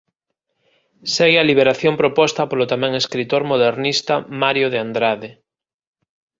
Segue a liberación proposta polo tamén escritor modernista Mário de Andrade.